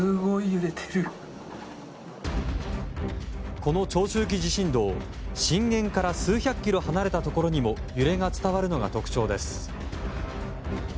この長周期地震動震源から数百キロ離れたところにも揺れが伝わるのが特徴です。